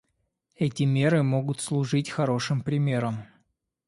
Эти меры могут служить хорошим примером.